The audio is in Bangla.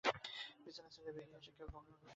বিছানা ছেড়ে বেরিয়ে এসে দেখে কেউ কোথাও নেই।